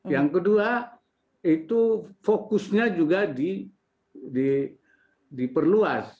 yang kedua itu fokusnya juga di perluas